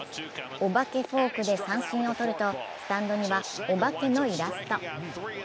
お化けフォークで三振を取るとスタンドにはお化けのイラスト。